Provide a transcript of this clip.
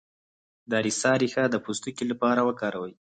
د اریسا ریښه د پوستکي لپاره وکاروئ